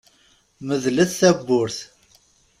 Medlet tawwurt.